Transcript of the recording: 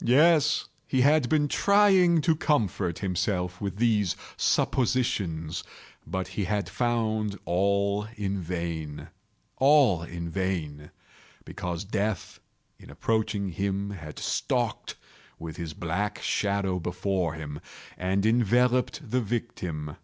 Yes, he had been trying to comfort himself with these suppositions: but he had found all in vain. All in vain; because Death, in approaching him had stalked with his black shadow before him, and enveloped the victim.